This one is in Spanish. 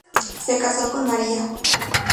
Se casó con María.